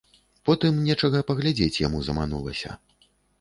Потым нечага паглядзець яму заманулася.